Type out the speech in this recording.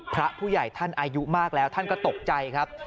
พระผู้ใหญ่ท่านอายุมากแล้วท่านก็ตกใจครับ